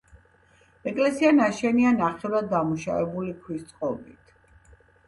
ეკლესია ნაშენია ნახევრად დამუშავებული ქვის წყობით.